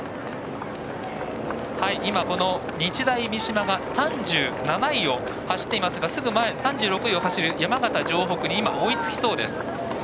今、日大三島が３７位を走っていますがすぐ前、３６位を走る山形城北に今、追いつきそうです。